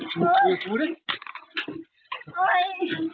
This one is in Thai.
เฮ้ย